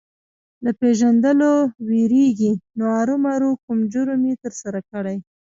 د پېژندلو وېرېږي نو ارومرو کوم جرم یې ترسره کړی.